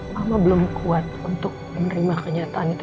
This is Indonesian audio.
mama belum kuat untuk menerima kenyataan itu